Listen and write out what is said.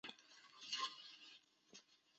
布杰上天将它捉到人间囚禁。